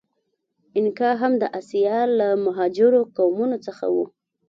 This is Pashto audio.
اینکا هم د آسیا له مهاجرو قومونو څخه و.